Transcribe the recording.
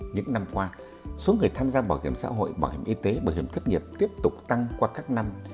những năm qua số người tham gia bảo hiểm xã hội bảo hiểm y tế bảo hiểm thất nghiệp tiếp tục tăng qua các năm